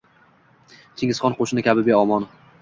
Chingizxon qo’shini kabi beomon